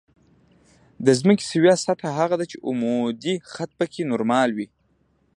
د ځمکې سویه سطح هغه ده چې عمودي خط پکې نورمال وي